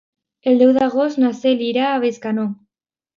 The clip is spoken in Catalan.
El deu d'agost na Cel irà a Bescanó.